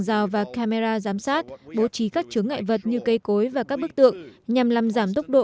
rào và camera giám sát bố trí các chướng ngại vật như cây cối và các bức tượng nhằm làm giảm tốc độ